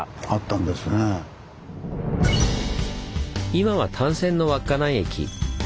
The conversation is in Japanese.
今は単線の稚内駅。